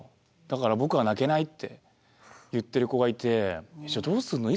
「だから僕は泣けない」って言ってる子がいて「じゃあどうするの？